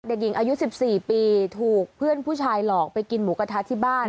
เด็กหญิงอายุ๑๔ปีถูกเพื่อนผู้ชายหลอกไปกินหมูกระทะที่บ้าน